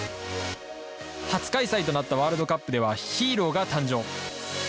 初開催となったワールドカップでは、ヒーローが誕生。